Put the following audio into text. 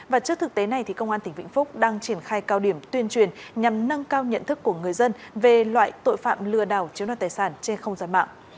và trước thực tế này công an tỉnh vĩnh phúc đang triển khai cao điểm tuyên truyền nhằm nâng cao nhận thức của người dân về loại tội phạm lừa đảo chiếu đoạt tài sản trên không gian mạng